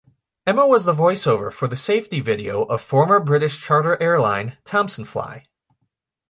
Emma was the voiceover for the safety video of former British charter airline Thomsonfly.